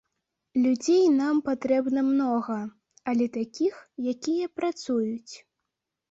Людзей нам патрэбна многа, але такіх, якія працуюць.